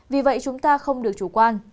vì vậy chúng ta không được chủ quan